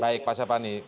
baik pak syar pani